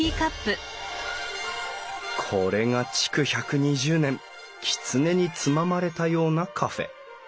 これが築１２０年きつねにつままれたようなカフェ。